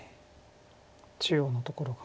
中央のところが。